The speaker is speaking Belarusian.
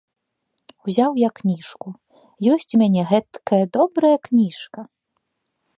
Узяў я кніжку, ёсць у мяне гэткая добрая кніжка!